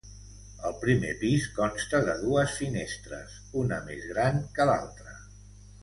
El primer pis consta de dues finestres, una més gran que l'altra.